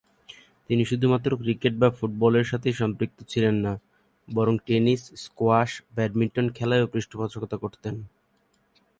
তিনি শুধুমাত্র ক্রিকেট বা ফুটবলের সাথেই সম্পৃক্ত ছিলেন না; বরং টেনিস, স্কোয়াশ, ব্যাডমিন্টন খেলায়ও পৃষ্ঠপোষকতা করতেন।